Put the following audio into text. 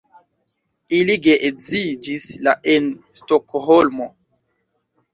Ili geedziĝis la en Stokholmo.